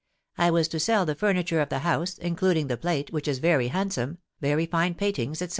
I was to sell the furniture of the house, including the plate, which is very handsome, very fine paintings, etc.